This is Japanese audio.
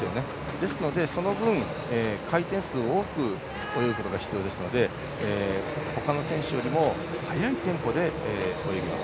ですので、その分回転数を多く泳ぐことが必要ですのでほかの選手より速いテンポで泳ぎます。